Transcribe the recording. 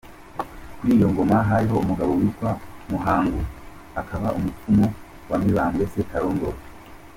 Kuri iyo ngoma, hariho umugabo witwa Muhangu, akaba umupfumu wa Mibambwe Sekarongoro.